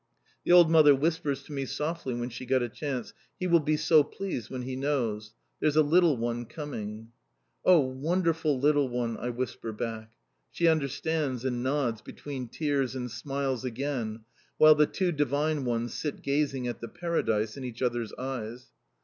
The old mother whispers to me softly when she got a chance: "He will be so pleased when he knows! There's a little one coming." "Oh, wonderful little one!" I whisper back. She understands and nods between tears and smiles again, while the two divine ones sit gazing at the paradise in each other's eyes.